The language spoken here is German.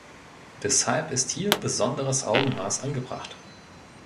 Deshalb ist hier besonderes Augenmaß angebracht.